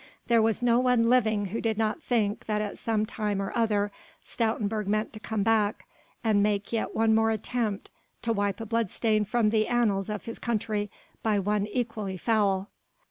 There was no one living who did not think that at some time or other Stoutenburg meant to come back and make yet one more attempt to wipe a blood stain from the annals of his country by one equally foul.